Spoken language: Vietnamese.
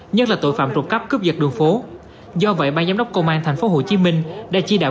nhất là tội phạm trộm cắp cướp giật đường phố do vậy ban giám đốc công an tp hcm đã chỉ đạo